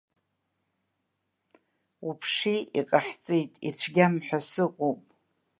Уԥши, иҟаҳҵеит, ицәгьам ҳәа сыҟоуп.